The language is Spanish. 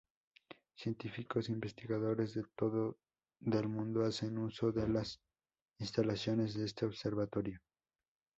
Científicos investigadores de todo del mundo hacen uso de las instalaciones de este observatorio.